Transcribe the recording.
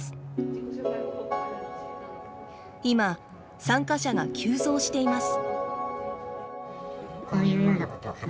今参加者が急増しています。